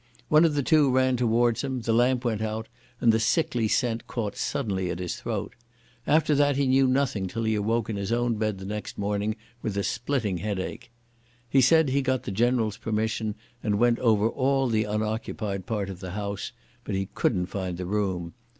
One of the two ran towards him, the lamp went out, and the sickly scent caught suddenly at his throat. After that he knew nothing till he awoke in his own bed next morning with a splitting headache. He said he got the General's permission and went over all the unoccupied part of the house, but he couldn't find the room.